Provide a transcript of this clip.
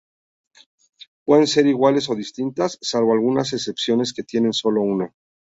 Pueden ser iguales o distintas, salvo algunas excepciones que tienen sólo una.